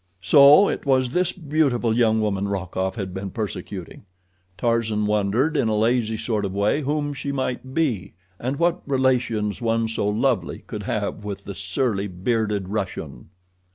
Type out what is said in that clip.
So it was this beautiful young woman Rokoff had been persecuting. Tarzan wondered in a lazy sort of way whom she might be, and what relations one so lovely could have with the surly, bearded Russian.